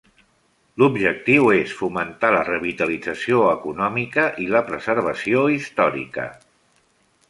L'objectiu és fomentar la revitalització econòmica i la preservació històrica.